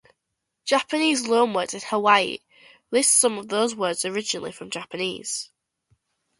Japanese loanwords in Hawaii lists some of those words originally from Japanese.